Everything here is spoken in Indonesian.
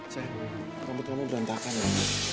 sayang rambut kamu berantakan ya